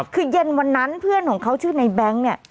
คือเย็นวันนั้นเพื่อนของเขาชื่อในแบงค์เนี่ย